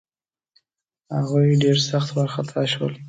هغوی ډېر سخت وارخطا شول.